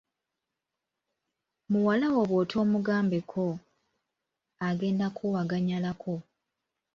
Muwala wo bw'otoomugambeko, agenda kkuwaganyalako.